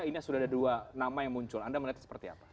ini sudah ada dua nama yang muncul anda melihatnya seperti apa